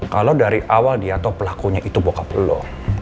kalau dari awal dia tahu pelakunya itu bokap lo